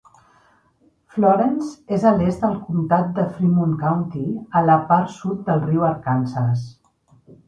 Florence és a l'est del comtat de Fremont County, a la part sud del riu Arkansas.